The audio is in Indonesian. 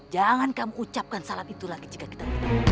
jangan kamu ucapkan salam itu lagi jika kita